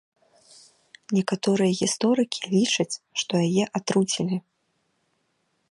Некаторыя гісторыкі лічаць, што яе атруцілі.